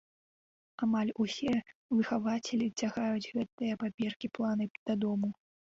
Амаль усе выхавацелі цягаюць гэтыя паперкі-планы дадому.